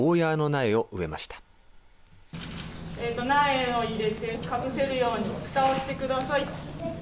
苗を入れて、かぶせるようにふたをしてください。